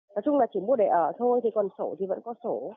nói chung là chỉ mua để ở thôi thì còn sổ thì vẫn có sổ